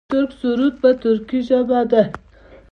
د ترک سرود په ترکۍ ژبه دی.